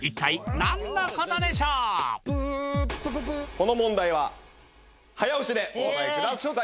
この問題は早押しでお答えください！